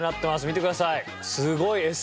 見てください。